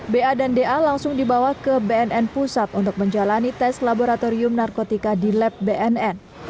ba dan da langsung dibawa ke bnn pusat untuk menjalani tes laboratorium narkotika di lab bnn